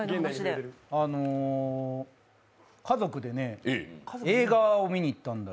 家族でね、映画を見に行ったんだよ